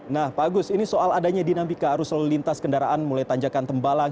nah pak agus ini soal adanya dinamika arus lalu lintas kendaraan mulai tanjakan tembalang